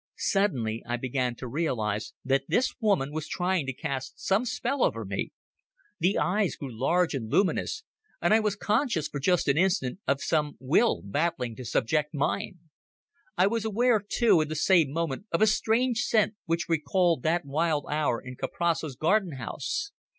Suddenly I began to realize that this woman was trying to cast some spell over me. The eyes grew large and luminous, and I was conscious for just an instant of some will battling to subject mine. I was aware, too, in the same moment of a strange scent which recalled that wild hour in Kuprasso's garden house.